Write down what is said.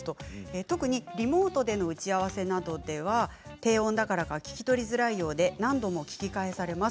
特にリモートでの打ち合わせなどでは低音だからか聞き取りづらいようで何度も聞き返されます。